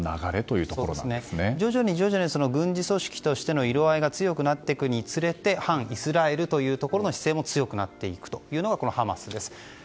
徐々に軍事組織としての色合いが強くなってくるにつれて反イスラエルというところの姿勢も強くなっていったのがハマスです。